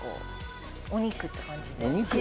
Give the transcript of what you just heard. お肉って感じで。